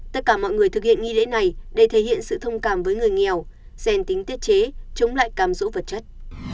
tất cả mọi người thực hiện nghi lễ này để thể hiện sự thông cảm với người nghèo xen tính tiết chế chống lại cam rũ vật chất